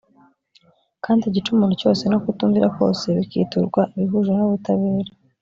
kandi igicumuro cyose no kutumvira kose bikiturwa ibihuje n ubutabera